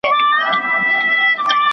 ¬ خدايه لويه، ما وساتې بې زويه.